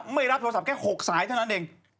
ไม่รับโทรศัพท์แค่๖สายเท่านั้นเอง